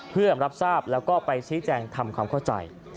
เพื่อรับทราบแล้วก็ไปชี้แจงทำความเข้าใจ